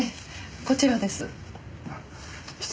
こちらです。